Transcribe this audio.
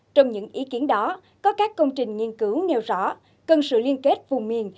trong những ý kiến đó có các công trình nghiên cứu nêu rõ cần sự liên kết vùng miền